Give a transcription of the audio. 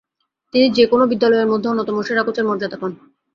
তিনি যে-কোন বিদ্যালয়ের মধ্যে অন্যতম সেরা কোচের মর্যাদা পান।